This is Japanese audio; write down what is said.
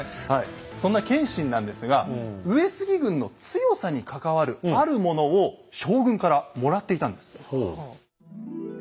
そんな謙信なんですが上杉軍の強さに関わるあるものを将軍からもらっていたんです。